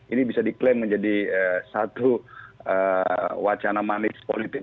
ini bisa diklaim menjadi satu wacana manis politik